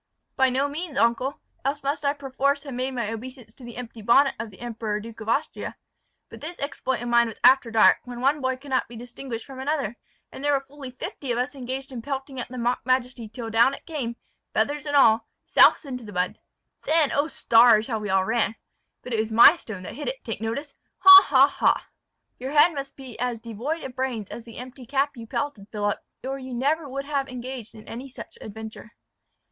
"By no means, uncle, else must I perforce have made my obeisance to the empty bonnet of the Emperor Duke of Austria. But this exploit of mine was after dark, when one boy could not be distinguished from another; and there were fully fifty of us engaged in pelting at the mock majesty till down it came, feathers and all, souse into the mud. Then, oh stars! how we all ran! But it was my stone that hit it, take notice: ha! ha! ha!" "Your head must be as devoid of brains as the empty cap you pelted, Philip, or you never would have engaged in any such adventure."